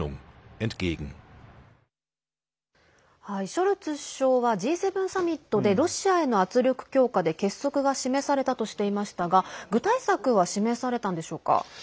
ショルツ首相はＧ７サミットでロシアへの圧力強化で結束が示されたとしていましたが具体策は示されたんでしょうか。